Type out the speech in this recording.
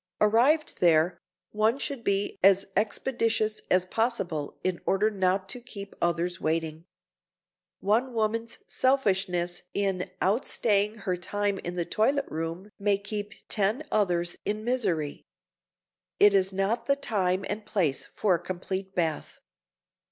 Arrived there one should be as expeditious as possible in order not to keep others waiting. One woman's selfishness in out staying her time in the toilet room may keep ten others in misery. It is not the time and place for a complete bath.